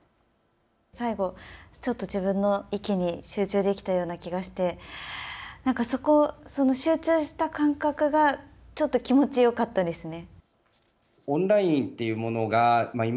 最後、ちょっと自分の息に集中できたような気がしてその集中した感覚がちょっと気持ちよかったですね。